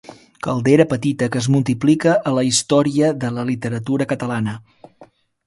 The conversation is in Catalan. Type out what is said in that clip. Caldera petita que es multiplica a la història de la literatura catalana.